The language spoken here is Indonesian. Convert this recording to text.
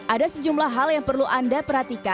ada sejumlah hal yang perlu anda perhatikan